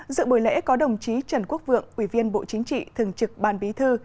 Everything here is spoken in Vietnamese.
dự buổi lễ có đồng chí trần quốc vượng ủy viên bộ chính trị thường trực ban bí thư